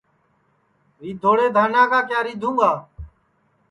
ریدھوڑے دھانا کا کِیا ریدھُوں گا